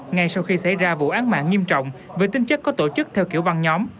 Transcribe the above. ngay sau khi xảy ra vụ án mạng nghiêm trọng với tính chất có tổ chức theo kiểu băng nhóm